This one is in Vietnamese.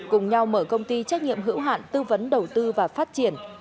cùng nhau mở công ty trách nhiệm hữu hạn tư vấn đầu tư và phát triển